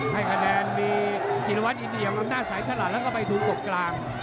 ให้คะแนนมีธิรวรรษอินเดียอำนาจสายชะหารแล้วไปดูกบกลาง